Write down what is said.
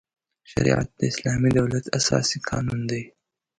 شریعت د اسلامي دولت اساسي قانون دی.